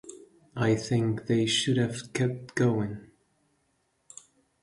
I think they should have kept going.